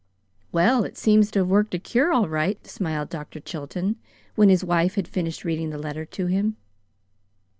"Well, it seems to have worked a cure, all right," smiled Dr. Chilton, when his wife had finished reading the letter to him.